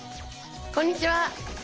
こんにちは。